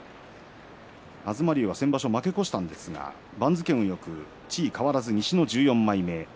東龍は先場所負け越したんですが番付運もよく地位変わらず西の１４枚目。